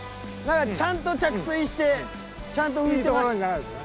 何かちゃんと着水してちゃんと浮いてました。